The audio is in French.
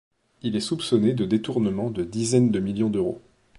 Il est soupçonné de détournement de dizaines de millions d’euros.